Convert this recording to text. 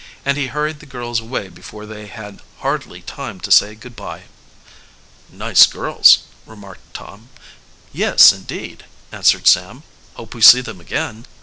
And he hurried the girls away before they had hardly time to say good by. "Nice girls," remarked Tom. "Yes, indeed," answered Sam. "Hope we see them again."